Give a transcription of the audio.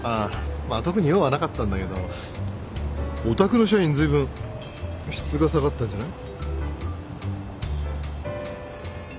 まあ特に用はなかったんだけどお宅の社員ずいぶん質が下がったんじゃない？